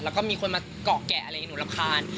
แล้วก็มีคนมาเกาะแกะอะไรอย่างนี้หนูรำคาญ